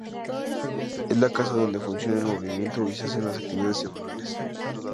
Es la casa donde funciona el movimiento y se hacen las actividades semanales.